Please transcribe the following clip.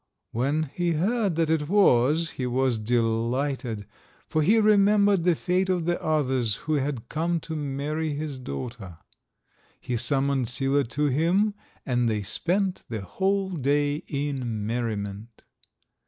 When he heard that it was, he was delighted, for he remembered the fate of the others who had come to marry his daughter. He summoned Sila to him, and they spent the whole day in merriment.